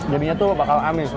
jadinya tuh bakal amis